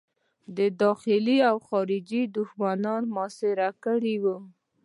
داخلي او خارجي دښمنانو محاصره کړی وو.